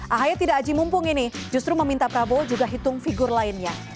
ahy tidak aji mumpung ini justru meminta prabowo juga hitung figur lainnya